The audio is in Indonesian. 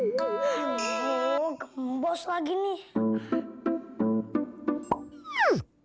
wah kenapa semua kak rona kaya aku